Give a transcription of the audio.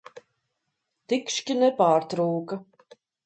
Tikšķi nepārtūka.